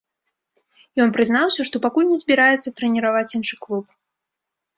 Ён прызнаўся, што пакуль не збіраецца трэніраваць іншы клуб.